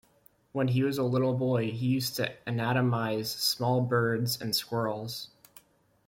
When he was a little boy he used to anatomize small birds and squirrels.